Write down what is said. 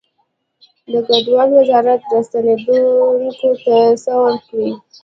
د کډوالو وزارت راستنیدونکو ته څه ورکوي؟